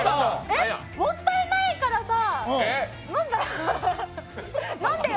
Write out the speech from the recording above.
もったいないからさ、飲んでよ。